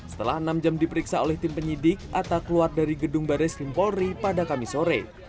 setelah enam jam diperiksa oleh tim penyidik atta keluar dari gedung baris krim polri pada kamis sore